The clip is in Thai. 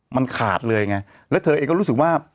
มันขาดเลยไงแล้วเธอเองก็รู้สึกว่า